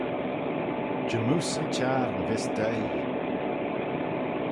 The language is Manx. Jymmoose yn çhiarn vees dt'oaie.